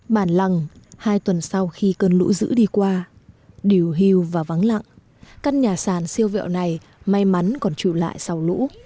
bản lăng hai tuần sau khi cơn lũ dữ đi qua điều hưu và vắng lặng căn nhà sàn siêu vẹo này may mắn còn trụ lại sau lũ